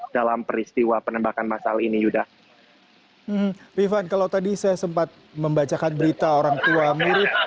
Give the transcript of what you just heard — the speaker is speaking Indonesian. dan ini masyarakat masih berkumpul